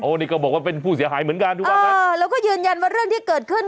นี่ก็บอกว่าเป็นผู้เสียหายเหมือนกันที่ว่างั้นเออแล้วก็ยืนยันว่าเรื่องที่เกิดขึ้น